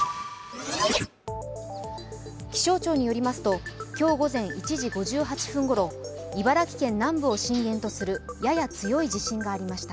気象庁によりますと今日午前１時５８分ごろ、茨城県南部を震源とするやや強い地震がありました。